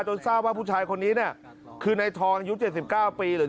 ทราบว่าผู้ชายคนนี้เนี่ยคือในทองอายุ๗๙ปีหรือ